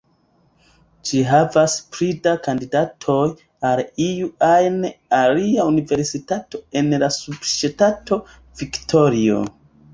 Ĝi havas pli da kandidatoj ol iu ajn alia universitato en la subŝtato Viktorio.